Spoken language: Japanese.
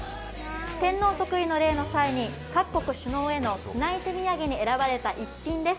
天皇即位の礼の際に各国首脳への手土産に選ばれた一品です。